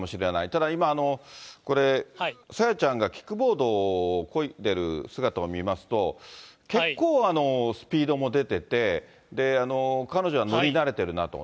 ただ、今、これ、朝芽ちゃんがキックボードをこいでる姿を見ますと、結構、スピードも出てて、彼女は乗り慣れてるなと。